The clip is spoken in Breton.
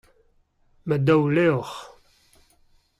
Ma daou levr.